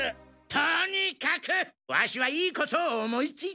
とにかくワシはいいことを思いついたのじゃ！